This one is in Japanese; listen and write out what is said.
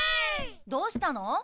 どうしたの？